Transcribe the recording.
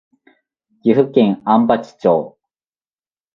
岐阜県安八町